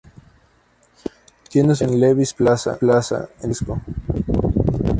Tiene su sede en Levi's Plaza, en San Francisco.